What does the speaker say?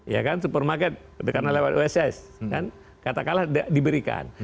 ya kan supermarket karena lewat uss katakanlah diberikan